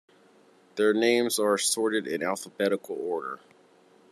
Their names are sorted in alphabetical order.